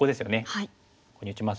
ここに打ちますし。